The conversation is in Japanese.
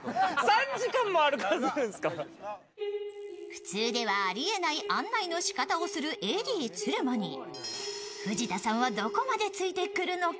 普通ではありえない案内のしかたをするＡＤ・鶴間に藤田さんはどこまでついてくるのか。